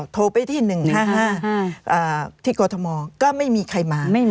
โทรไปที่๑๕๕ที่กรทมก็ไม่มีใครมา